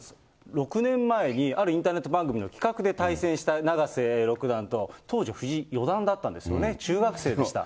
６年前にあるインターネット番組の企画で対戦した永瀬六段と、当時、藤井四段だったんですよね、中学生でした。